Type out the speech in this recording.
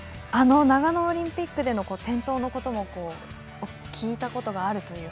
長野オリンピックでｎ転倒のことも聞いたことがあると。